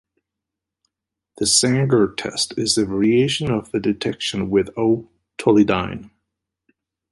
The Sangur test is a variation of the detection with O-Tolidine.